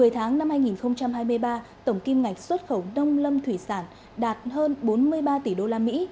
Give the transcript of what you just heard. một mươi tháng năm hai nghìn hai mươi ba tổng kim ngạch xuất khẩu nông lâm thủy sản đạt hơn bốn mươi ba tỷ đô la mỹ